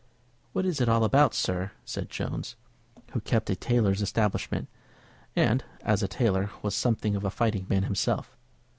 "What's it all about, sir?" said Jones, who kept a tailor's establishment, and, as a tailor, was something of a fighting man himself.